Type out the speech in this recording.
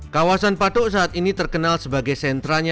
kewasan patok saat ini terkenal sebagai centranya bakpia